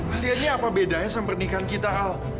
alia ini apa bedanya sama pernikahan kita al